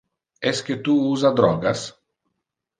Esque tu usa drogas?